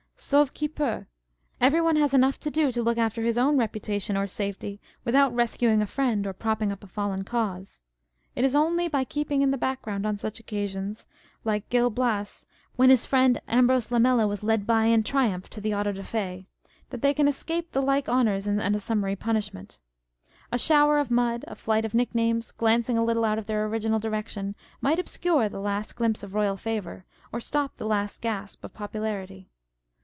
Sauve qui pent â€" every one has enough to do to look after his own reputation or safety without rescuing a friend or propping up a fallen cause. It is only by keeping in the background on such occasions (like Gil Bias when 'his friend Ambrose Lamela was led by in triumph to the auto da fe) that they can escape the like honours and a summary punishment. A shower of mud, a flight of nick names (glancing a little out of their original direction) might obscure the last glimpse of Royal favour, or stop the last gasp of popularity.